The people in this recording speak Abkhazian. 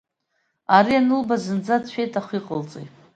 Ари анылба, зынӡа дшәеит, аха иҟалҵои.